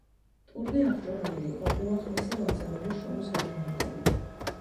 ტურნე აღჭურვილი იყო უახლესი ლაზერული შოუს ელემენტებით.